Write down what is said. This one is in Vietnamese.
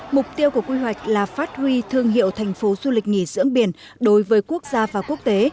mục tiêu của quy hoạch là phát huy thương hiệu thành phố du lịch nghỉ dưỡng biển đối với quốc gia và quốc tế